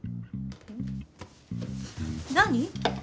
何？